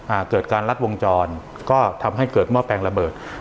อ่าเกิดการรัดวงจรก็ทำให้เกิดหม้อแปลงระเบิด